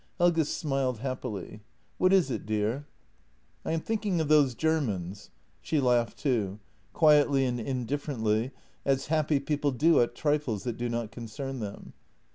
Helge smiled happily. " What is it, dear? " io6 JENNY " I am thinking of those Germans." She laughed too — quietly and indifferently, as happy people do at trifles that do not concern them.